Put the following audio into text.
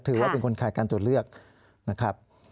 ถือว่าเป็นคนขายการตรวจเลือกนะครับ